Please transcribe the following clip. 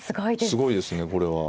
すごいですねこれは。